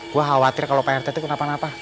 gue khawatir kalau prt itu kenapa napa